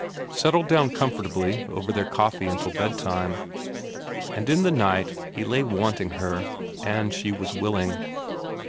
Settled down comfortably over their coffee until bedtime. And in the night, he lay wanting her, and she was willing.